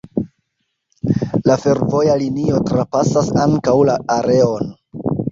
La fervoja linio trapasas ankaŭ la areon.